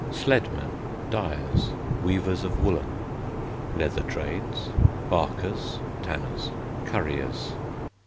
Sledmen. Dyers. Weavers of woollen. Leather Trades: Barkers (tanners). Curriers.